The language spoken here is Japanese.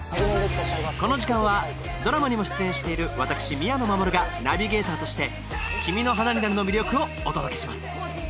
この時間はドラマにも出演している私宮野真守がナビゲーターとして「君の花になる」の魅力をお届けします